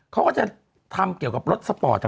เขาก็จะทำเกี่ยวกับรถสปอร์ต